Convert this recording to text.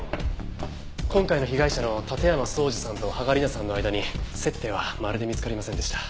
今回の被害者の館山荘司さんと芳賀理菜さんの間に接点はまるで見つかりませんでした。